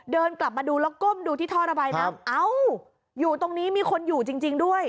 เดินกลับมาดูแล้วก้มดูที่ท่อระบายน้ำเอ้าอยู่ตรงนี้มีคนอยู่จริงด้วย